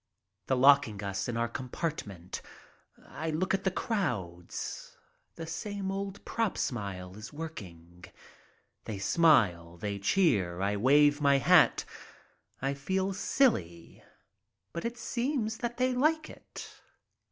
The locking us in our compartment. I look at the crowds. The same old "prop" smile is working. They smile. They cheer. I wave my hat. I feel silly, but it seems that they like it.